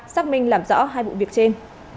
xác minh làm rõ hai vụ việc trên